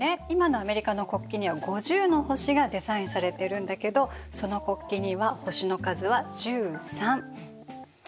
今のアメリカの国旗には５０の星がデザインされてるんだけどその国旗には星の数は１３。